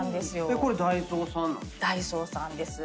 これダイソーさんなんですか？